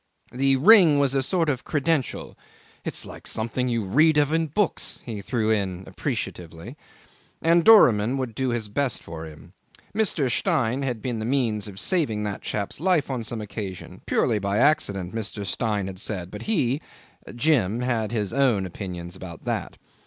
The ring was a sort of credential ("It's like something you read of in books," he threw in appreciatively) and Doramin would do his best for him. Mr. Stein had been the means of saving that chap's life on some occasion; purely by accident, Mr. Stein had said, but he Jim had his own opinion about that.